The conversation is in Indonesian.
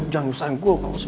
jangan nusahin gue kok sih